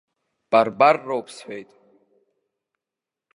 Барбарроуп, сҳәеит.